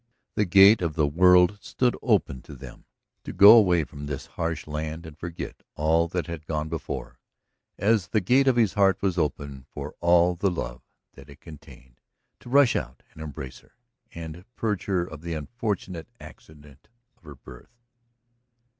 The gate of the world stood open to them to go away from that harsh land and forget all that had gone before, as the gate of his heart was open for all the love that it contained to rush out and embrace her, and purge her of the unfortunate accident of her birth.